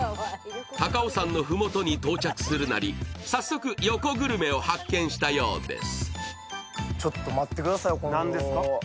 高尾山の麓に到着するなり早速、横グルメを発見したようです